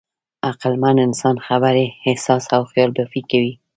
عقلمن انسان خبرې، احساس او خیالبافي کوي.